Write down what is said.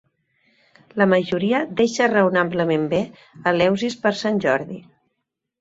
La majoria deixa raonablement bé Eleusis per Sant Jordi.